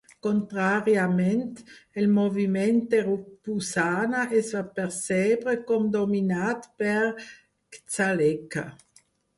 Contràriament, el moviment de Rubusana es va percebre com dominat per Gcaleka.